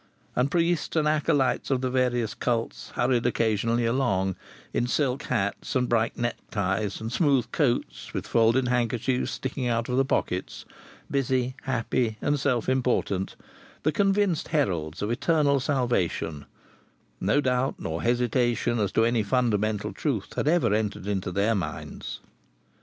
And priests and acolytes of the various cults hurried occasionally along, in silk hats and bright neckties, and smooth coats with folded handkerchiefs sticking out of the pockets, busy, happy and self important, the convinced heralds of eternal salvation: no doubt nor hesitation as to any fundamental truth had ever entered their minds.